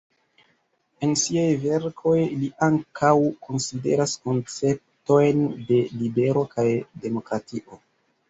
En siaj verkoj li ankaŭ konsideras konceptojn de libero kaj demokratio.